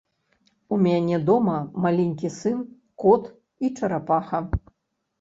У мяне дома маленькі сын, кот і чарапаха.